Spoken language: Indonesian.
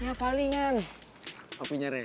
ya palingan hpnya repah